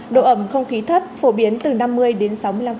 độ ẩm không khí thấp phổ biến từ năm mươi đến sáu mươi năm